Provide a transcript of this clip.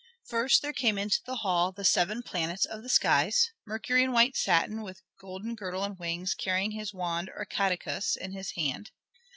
First there came into the hall the seven planets of the skies, Mercury in white satin, with golden girdle and wings, carrying his wand, or caduceus, in his hand.